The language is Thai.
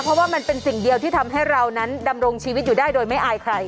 เพราะว่ามันเป็นสิ่งเดียวที่ทำให้เรานั้นดำรงชีวิตอยู่ได้โดยไม่อายใคร